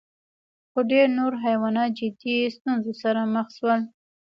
خو ډېر نور حیوانات جدي ستونزو سره مخ شول.